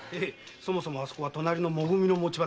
そもそもあそこはも組の持ち場。